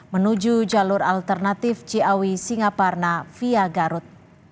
menuju jalur alternatif ciawi singaparna via garut